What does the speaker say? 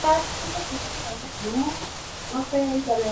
Este molino, es uno de los pocos que tuvo en toda Vizcaya.